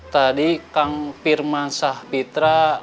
tadi kang pir mansyah pitra